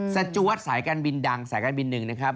จวดสายการบินดังสายการบินหนึ่งนะครับ